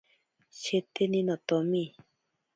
Sheteni notomi.